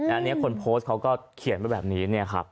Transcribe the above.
อันนี้คนโพสต์เขาก็เขียนไว้แบบนี้